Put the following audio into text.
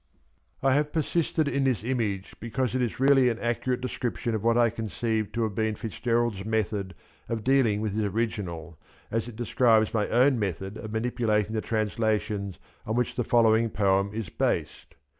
I have persisted in this image because it is really an accurate des cription of what I conceive to have been FitzGerald' s method of dealing with his original, as it describes my own method of manipw lating the translations on which the following poem is based.